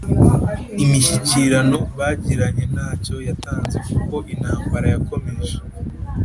imishyikirano bagiranye ntacyo yatanze kuko intambara yakomeje